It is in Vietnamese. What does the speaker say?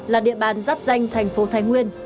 là địa bàn dắp danh thành phố thành nguyên